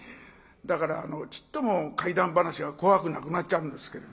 だからちっとも怪談噺が怖くなくなっちゃうんですけれど。